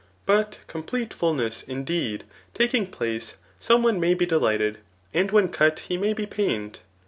But complete iulness, in deed, taking place, some one may be ddighted, and when cut he may be pained.